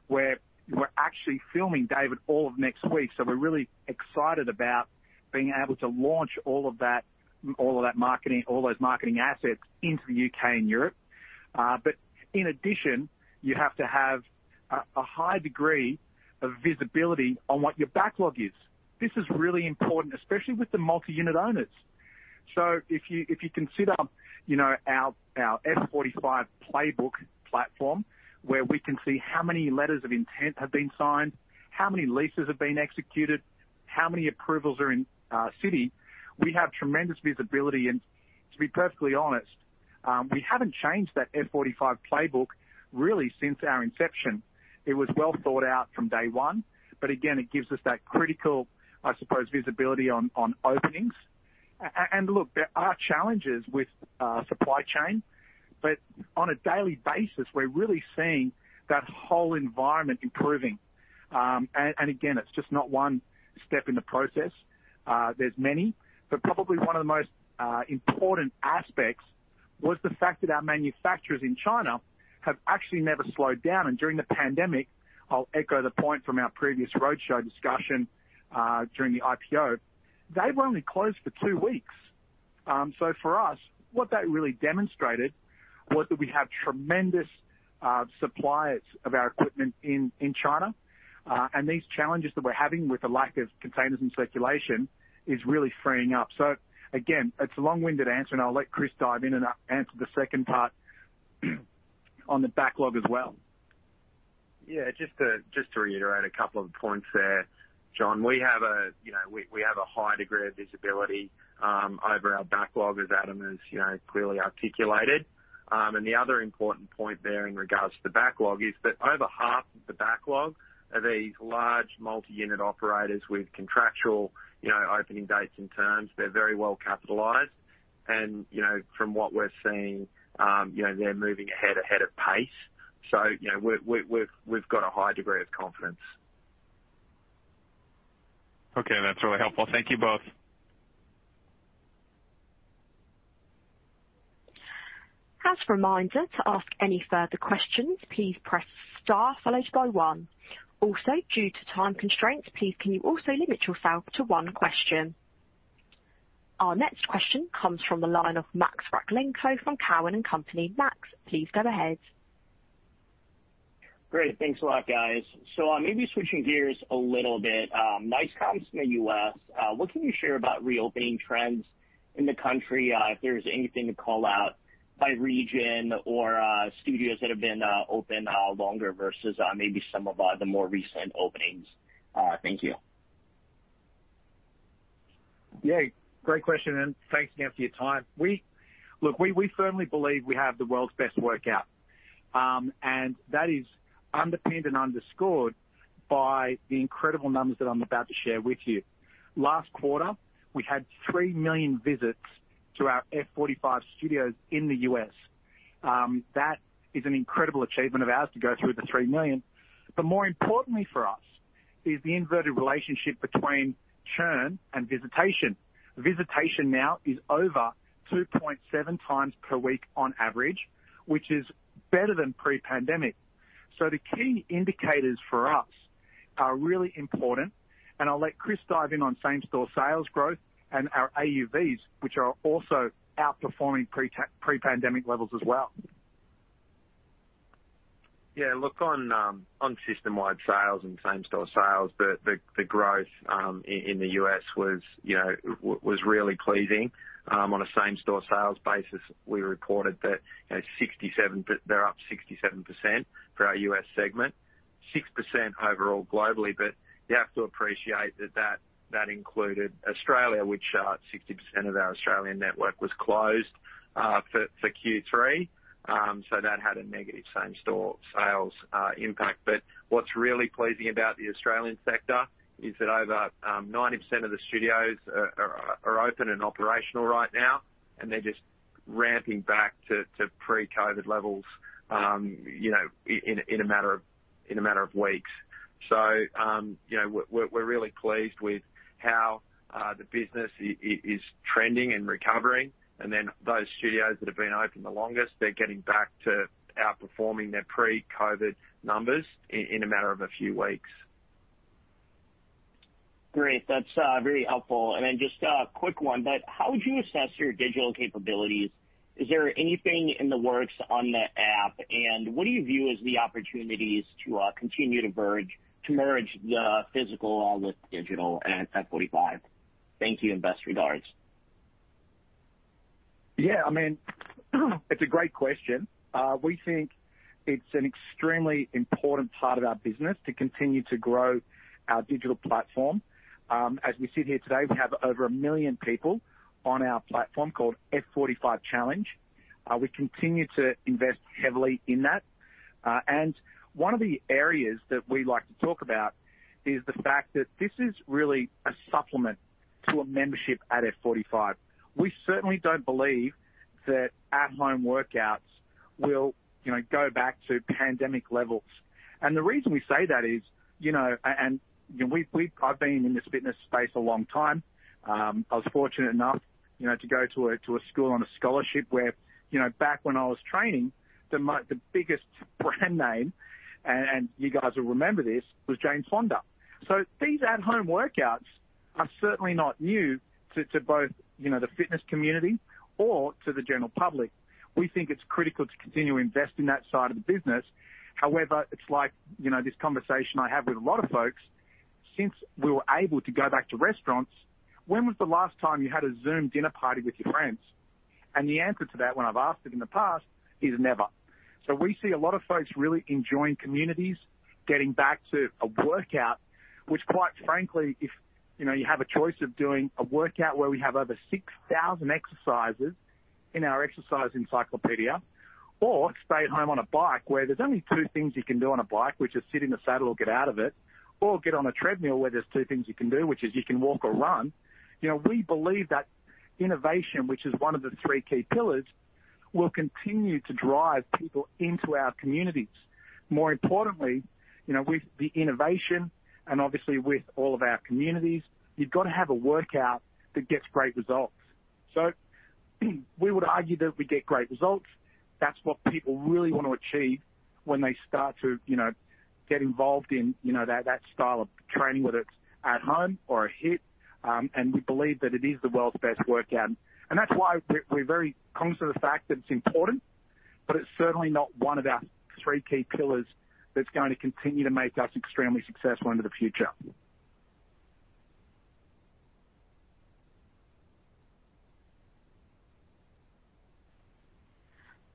We're actually filming David all of next week, so we're really excited about being able to launch all of that marketing, all those marketing assets into the U.K. and Europe. In addition, you have to have a high degree of visibility on what your backlog is. This is really important, especially with the multi-unit owners. If you consider, you know, our F45 Playbook platform, where we can see how many letters of intent have been signed, how many leases have been executed, how many approvals are in city, we have tremendous visibility. To be perfectly honest, we haven't changed that F45 Playbook really since our inception. It was well thought out from day one, but again, it gives us that critical, I suppose, visibility on openings. Look, there are challenges with supply chain, but on a daily basis, we're really seeing that whole environment improving. Again, it's just not one step in the process. There's many. Probably one of the most important aspects was the fact that our manufacturers in China have actually never slowed down. During the pandemic, I'll echo the point from our previous roadshow discussion. During the IPO, they were only closed for two weeks. For us, what that really demonstrated was that we have tremendous suppliers of our equipment in China. These challenges that we're having with the lack of containers in circulation is really freeing up. Again, it's a long-winded answer, and I'll let Chris dive in and answer the second part on the backlog as well. Yeah, just to reiterate a couple of points there, John. We have a high degree of visibility, you know, over our backlog as Adam has, you know, clearly articulated. The other important point there in regards to the backlog is that over half of the backlog are these large multi-unit operators with contractual, you know, opening dates and terms. They're very well capitalized. You know, from what we're seeing, you know, they're moving ahead of pace. You know, we've got a high degree of confidence. Okay. That's really helpful. Thank you both. As a reminder, to ask any further questions, please press star followed by one. Also, due to time constraints, please can you also limit yourself to one question. Our next question comes from the line of Max Rakhlenko from Cowen and Company. Max, please go ahead. Great. Thanks a lot, guys. Maybe switching gears a little bit. Might comes from the U.S. What can you share about reopening trends in the country? If there's anything to call out by region or studios that have been open longer versus maybe some of the more recent openings. Thank you. Yeah. Great question, and thanks again for your time. Look, we firmly believe we have the world's best workout. And that is underpinned and underscored by the incredible numbers that I'm about to share with you. Last quarter, we had three million visits to our F45 studios in the U.S. That is an incredible achievement of ours to go through the three million. But more importantly for us is the inverted relationship between churn and visitation. Visitation now is over 2.7x per week on average, which is better than pre-pandemic. The key indicators for us are really important, and I'll let Chris dive in on same-store sales growth and our AUVs, which are also outperforming pre-pandemic levels as well. Yeah. Look, on system-wide sales and same-store sales, the growth in the U.S. was, you know, was really pleasing. On a same-store sales basis, we reported that, you know, they're up 67% for our U.S. segment, 6% overall globally, but you have to appreciate that included Australia, which 60% of our Australian network was closed for Q3. So that had a negative same-store sales impact. But what's really pleasing about the Australian sector is that over 90% of the studios are open and operational right now, and they're just- Ramping back to pre-COVID levels, you know, in a matter of weeks. You know, we're really pleased with how the business is trending and recovering. Those studios that have been open the longest, they're getting back to outperforming their pre-COVID numbers in a matter of a few weeks. Great. That's very helpful. Just a quick one, but how would you assess your digital capabilities? Is there anything in the works on the app? What do you view as the opportunities to continue to merge the physical with digital at F45? Thank you, and best regards. Yeah, I mean, it's a great question. We think it's an extremely important part of our business to continue to grow our digital platform. As we sit here today, we have over million people on our platform called F45 Challenge. We continue to invest heavily in that. One of the areas that we like to talk about is the fact that this is really a supplement to a membership at F45. We certainly don't believe that at-home workouts will, you know, go back to pandemic levels. The reason we say that is, you know, I've been in this fitness space a long time. I was fortunate enough, you know, to go to a school on a scholarship where, you know, back when I was training, the biggest brand name, and you guys will remember this, was Jane Fonda. So these at-home workouts are certainly not new to both, you know, the fitness community or to the general public. We think it's critical to continue to invest in that side of the business. However, it's like, you know, this conversation I have with a lot of folks: Since we were able to go back to restaurants, when was the last time you had a Zoom dinner party with your friends? The answer to that when I've asked it in the past is never. We see a lot of folks really enjoying communities, getting back to a workout, which quite frankly, if, you know, you have a choice of doing a workout where we have over 6,000 exercises in our exercise encyclopedia or stay at home on a bike where there's only two things you can do on a bike, which is sit in the saddle or get out of it, or get on a treadmill where there's two things you can do, which is you can walk or run. You know, we believe that innovation, which is one of the three key pillars, will continue to drive people into our communities. More importantly, you know, with the innovation and obviously with all of our communities, you've got to have a workout that gets great results. We would argue that we get great results. That's what people really want to achieve when they start to, you know, get involved in, you know, that style of training, whether it's at home or a HIIT. We believe that it is the world's best workout. That's why we're very conscious of the fact that it's important, but it's certainly not one of our three key pillars that's going to continue to make us extremely successful into the future.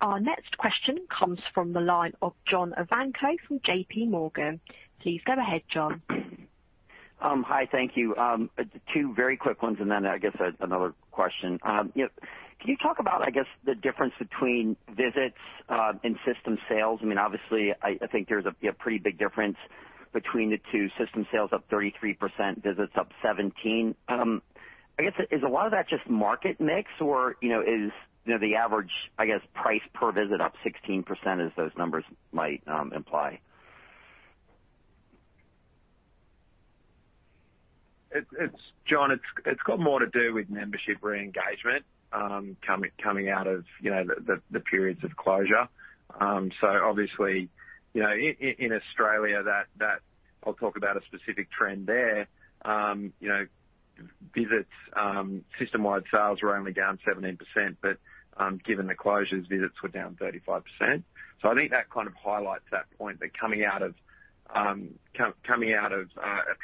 Our next question comes from the line of John Ivankoe from JPMorgan. Please go ahead, John. Hi. Thank you. Two very quick ones, and then I guess another question. You know, can you talk about, I guess, the difference between visits and system sales? I mean, obviously, I think there's a pretty big difference between the two. System sales up 33%, visits up 17%. I guess is a lot of that just market mix or, you know, is you know the average, I guess, price per visit up 16% as those numbers might imply? John, it's got more to do with membership re-engagement, coming out of, you know, the periods of closure. Obviously, you know, in Australia, I'll talk about a specific trend there. You know, visits, system-wide sales were only down 17%, but given the closures, visits were down 35%. I think that kind of highlights that point, that coming out of a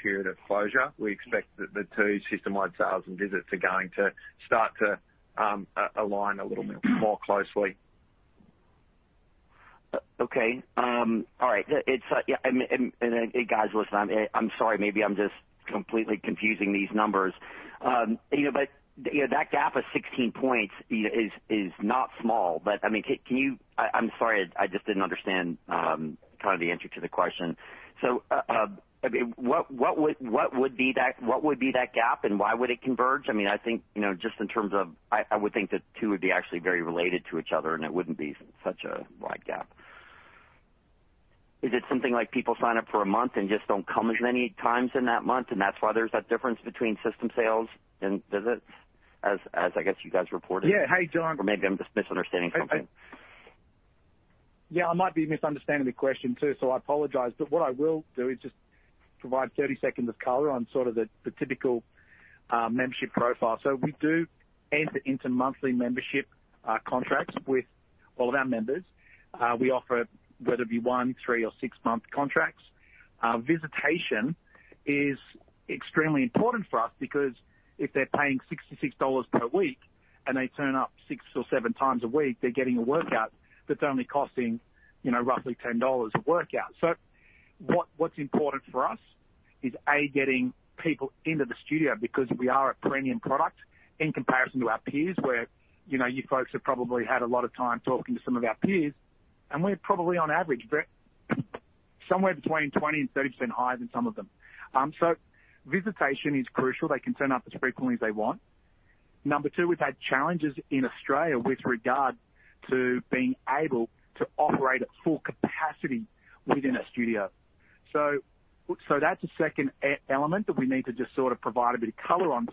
period of closure, we expect that the two, system-wide sales and visits, are going to start to align a little bit more closely. All right. Yeah. Guys, listen, I'm sorry, maybe I'm just completely confusing these numbers. You know, but you know, that gap of 16 points you know is not small. I mean, can you. I'm sorry, I just didn't understand kind of the answer to the question. I mean, what would be that gap, and why would it converge? I mean, I think you know just in terms of I would think the two would be actually very related to each other, and it wouldn't be such a wide gap. Is it something like people sign up for a month and just don't come as many times in that month, and that's why there's that difference between system sales and visits as I guess you guys reported? Yeah. Hey, John. Maybe I'm just misunderstanding something. Yeah, I might be misunderstanding the question, too, so I apologize. What I will do is just provide 30 seconds of color on sort of the typical membership profile. We do enter into monthly membership contracts with all of our members. We offer whether it be one, three, or six-month contracts. Visitation is extremely important for us because if they're paying $66 per week and they turn up six or seven times a week, they're getting a workout that's only costing, you know, roughly $10 a workout. What's important for us is, A, getting people into the studio because we are a premium product in comparison to our peers where, you know, you folks have probably had a lot of time talking to some of our peers, and we're probably on average somewhere between 20%-30% higher than some of them. Visitation is crucial. They can turn up as frequently as they want. Number two, we've had challenges in Australia with regard to being able to operate at full capacity within a studio. That's a second element that we need to just sort of provide a bit of color on.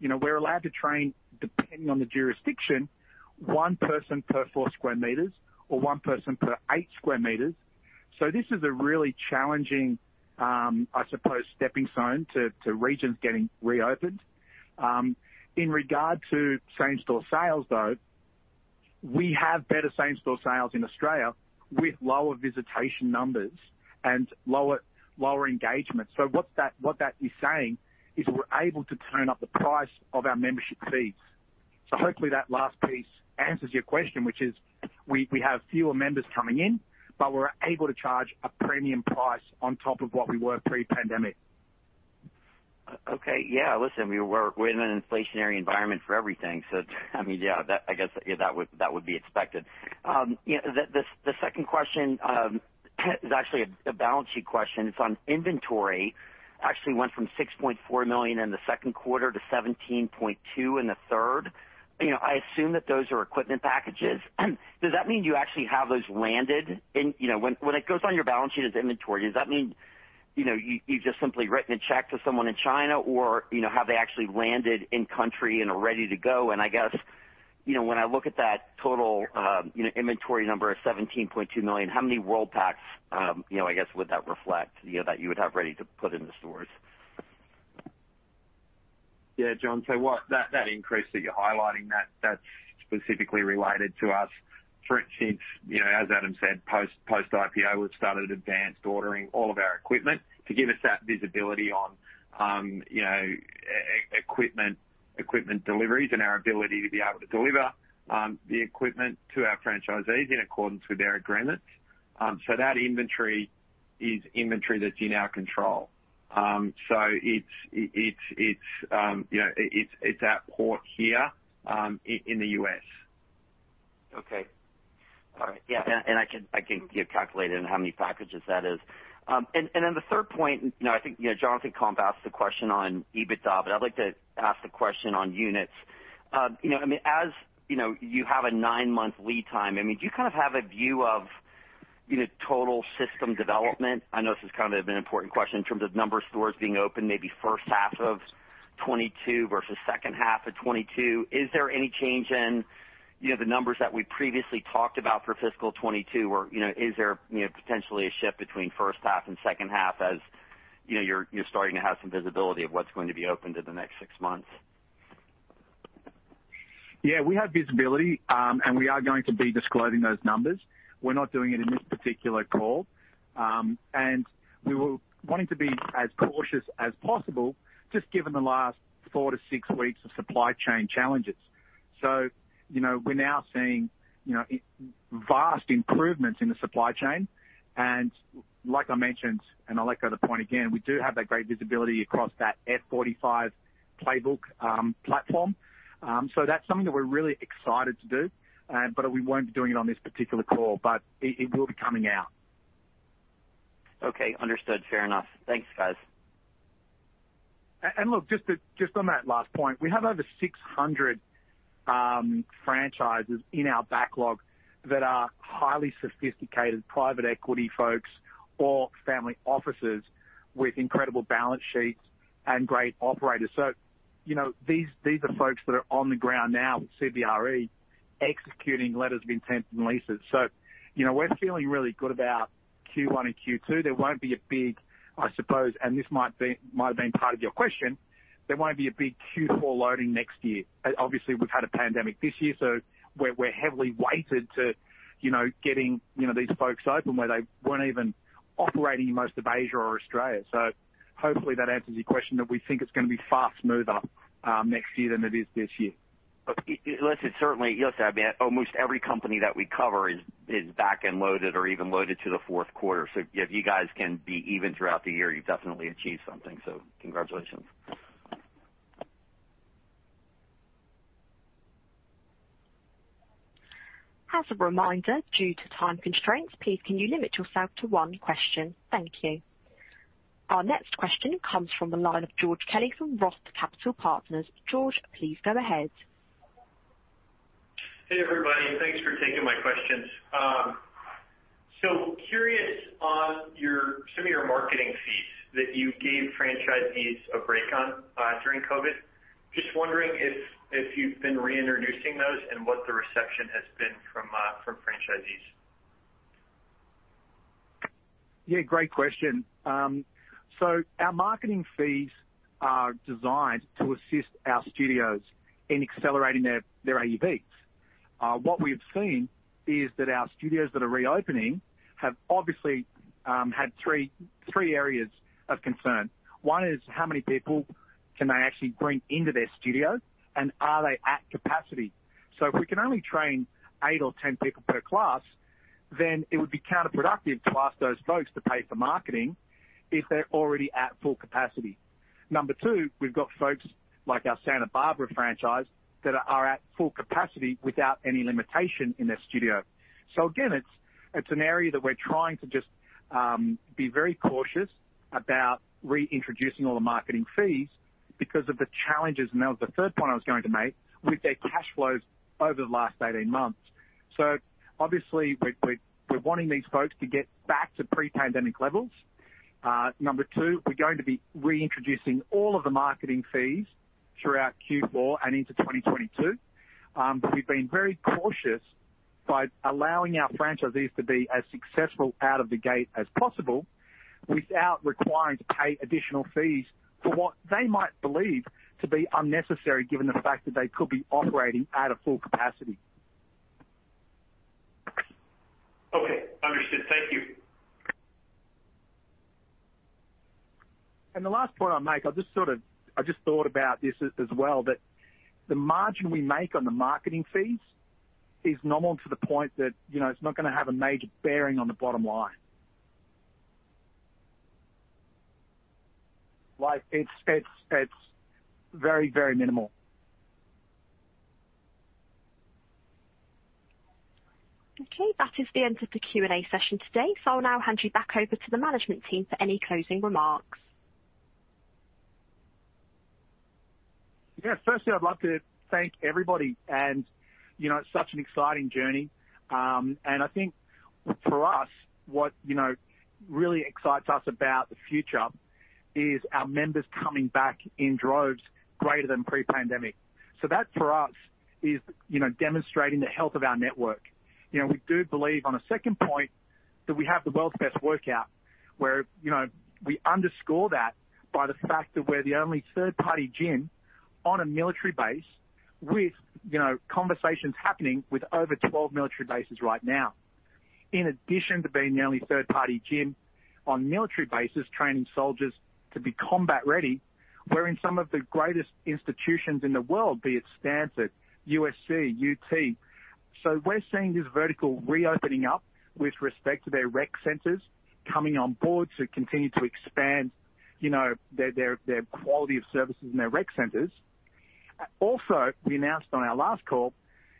You know, we're allowed to train, depending on the jurisdiction, one person per 4 sqm or one person per 8 sqm. This is a really challenging, I suppose, stepping stone to regions getting reopened. In regard to same-store sales, though, we have better same-store sales in Australia with lower visitation numbers and lower engagement. What that is saying is we're able to turn up the price of our membership fees. Hopefully that last piece answers your question, which is we have fewer members coming in, but we're able to charge a premium price on top of what we were pre-pandemic. Okay. Yeah, listen, we're in an inflationary environment for everything. So I mean, yeah, that I guess that would be expected. Yeah, the second question is actually a balance sheet question. It's on inventory. Inventory actually went from $6.4 million in the second quarter to $17.2 million in the third. You know, I assume that those are equipment packages. Does that mean you actually have those landed in? You know, when it goes on your balance sheet as inventory, does that mean, you know, you you've just simply written a check to someone in China or, you know, have they actually landed in country and are ready to go? I guess, you know, when I look at that total, you know, inventory number of $17.2 million, how many World Packs, you know, I guess would that reflect, you know, that you would have ready to put in the stores? Yeah, John. That increase that you're highlighting, that's specifically related to us switching, you know, as Adam said, post-IPO, we've started advance ordering all of our equipment to give us that visibility on, you know, equipment deliveries and our ability to be able to deliver the equipment to our franchisees in accordance with our agreements. That inventory is inventory that's in our control. It's, you know, it's at port here in the U.S. Okay. All right. Yeah. I can calculate in how many packages that is. Then the third point, you know, I think, you know, Jonathan Komp asked the question on EBITDA, but I'd like to ask the question on units. You know, I mean, as you know, you have a nine-month lead time, I mean, do you kind of have a view of, you know, total system development? I know this is kind of an important question in terms of number of stores being open, maybe first half of 2022 versus second half of 2022. Is there any change in, you know, the numbers that we previously talked about for fiscal 2022? You know, is there, you know, potentially a shift between first half and second half as, you know, you're starting to have some visibility of what's going to be open to the next six months? Yeah, we have visibility, and we are going to be disclosing those numbers. We're not doing it in this particular call. We were wanting to be as cautious as possible just given the last 4-6 weeks of supply chain challenges. You know, we're now seeing, you know, vast improvements in the supply chain. Like I mentioned, and I'll echo the point again, we do have that great visibility across that F45 Playbook platform. That's something that we're really excited to do. We won't be doing it on this particular call, but it will be coming out. Okay. Understood. Fair enough. Thanks, guys. Look, just on that last point, we have over 600 franchises in our backlog that are highly sophisticated private equity folks or family offices with incredible balance sheets and great operators. You know, these are folks that are on the ground now with CBRE executing letters of intent and leases. You know, we're feeling really good about Q1 and Q2. There won't be a big, I suppose, and this might've been part of your question. There won't be a big Q4 loading next year. Obviously, we've had a pandemic this year, so we're heavily weighted to getting these folks open where they weren't even operating in most of Asia or Australia. Hopefully that answers your question, that we think it's gonna be far smoother next year than it is this year. Okay. Listen, certainly, you know, I mean, almost every company that we cover is back-end loaded or even loaded to the fourth quarter. If you guys can be even throughout the year, you've definitely achieved something. Congratulations. As a reminder, due to time constraints, please can you limit yourself to one question? Thank you. Our next question comes from the line of George Kelly from Roth Capital Partners. George, please go ahead. Hey, everybody, and thanks for taking my questions. Curious on some of your marketing fees that you gave franchisees a break on during COVID. Just wondering if you've been reintroducing those and what the reception has been from franchisees. Yeah, great question. Our marketing fees are designed to assist our studios in accelerating their AUVs. What we've seen is that our studios that are reopening have obviously had three areas of concern. One is how many people can they actually bring into their studio, and are they at capacity? If we can only train eight or 10 people per class, then it would be counterproductive to ask those folks to pay for marketing if they're already at full capacity. Number two, we've got folks like our Santa Barbara franchise that are at full capacity without any limitation in their studio. Again, it's an area that we're trying to just be very cautious about reintroducing all the marketing fees because of the challenges. That was the third point I was going to make with their cash flows over the last 18 months. Obviously we're wanting these folks to get back to pre-pandemic levels. Number two, we're going to be reintroducing all of the marketing fees throughout Q4 and into 2022. We've been very cautious by allowing our franchisees to be as successful out of the gate as possible without requiring to pay additional fees for what they might believe to be unnecessary, given the fact that they could be operating at a full capacity. Okay, understood. Thank you. The last point I'll make, I just thought about this as well, that the margin we make on the marketing fees is nominal to the point that, you know, it's not gonna have a major bearing on the bottom line. Like it's very, very minimal. Okay, that is the end of the Q&A session today. I'll now hand you back over to the management team for any closing remarks. Yeah. Firstly, I'd love to thank everybody and, you know, it's such an exciting journey. I think for us, what, you know, really excites us about the future is our members coming back in droves greater than pre-pandemic. That for us is, you know, demonstrating the health of our network. You know, we do believe on a second point that we have the world's best workout where, you know, we underscore that by the fact that we're the only third-party gym on a military base with, you know, conversations happening with over 12 military bases right now. In addition to being the only third-party gym on military bases training soldiers to be combat ready, we're in some of the greatest institutions in the world, be it Stanford, USC, UT. We're seeing this vertical reopening up with respect to their rec centers coming on board to continue to expand, you know, their quality of services in their rec centers. Also, we announced on our last call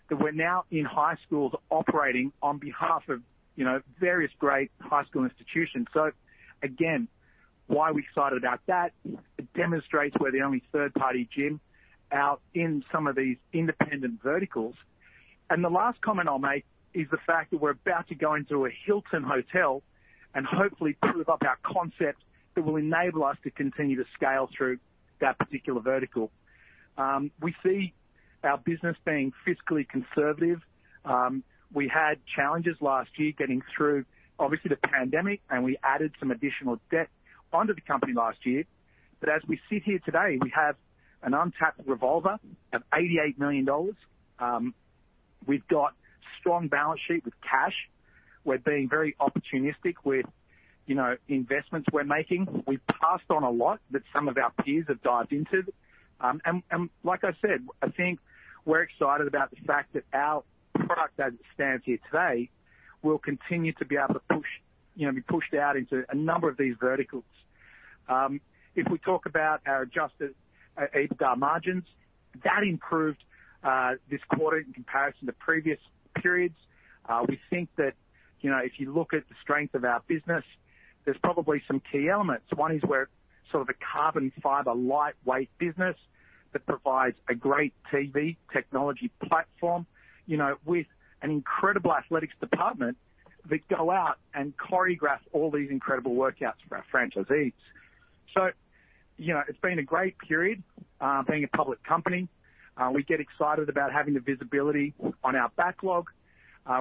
that we're now in high schools operating on behalf of, you know, various great high school institutions. Again, why are we excited about that? It demonstrates we're the only third-party gym out in some of these independent verticals. The last comment I'll make is the fact that we're about to go into a Hilton hotel and hopefully prove up our concept that will enable us to continue to scale through that particular vertical. We see our business being fiscally conservative. We had challenges last year getting through obviously the pandemic, and we added some additional debt onto the company last year. As we sit here today, we have an untapped revolver of $88 million. We've got strong balance sheet with cash. We're being very opportunistic with, you know, investments we're making. We've passed on a lot that some of our peers have dived into. And like I said, I think we're excited about the fact that our product as it stands here today will continue to be able to push, you know, be pushed out into a number of these verticals. If we talk about our adjusted EBITDA margins, that improved this quarter in comparison to previous periods. We think that, you know, if you look at the strength of our business, there's probably some key elements. One is we're sort of a carbon fiber lightweight business that provides a great TV technology platform, you know, with an incredible athletics department that go out and choreograph all these incredible workouts for our franchisees. You know, it's been a great period being a public company. We get excited about having the visibility on our backlog.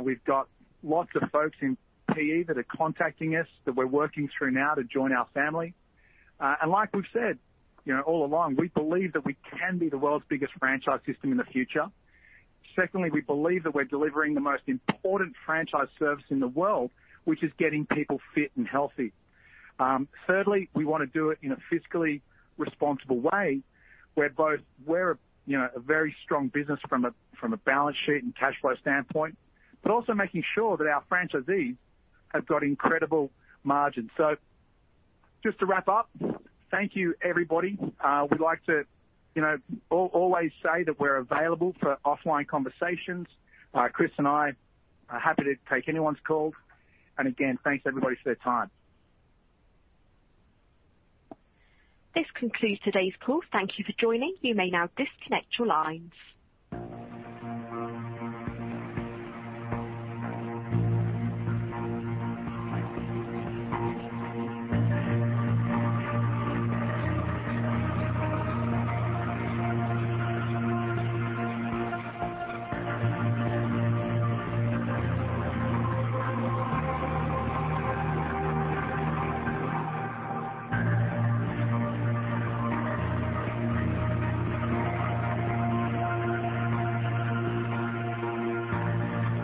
We've got lots of folks in PE that are contacting us that we're working through now to join our family. Like we've said, you know, all along, we believe that we can be the world's biggest franchise system in the future. Secondly, we believe that we're delivering the most important franchise service in the world, which is getting people fit and healthy. Thirdly, we wanna do it in a fiscally responsible way where both we're a, you know, a very strong business from a balance sheet and cash flow standpoint, but also making sure that our franchisees have got incredible margins. Just to wrap up, thank you everybody. We like to, you know, always say that we're available for offline conversations. Chris and I are happy to take anyone's call. Again, thanks everybody for their time. This concludes today's call. Thank you for joining. You may now disconnect your lines.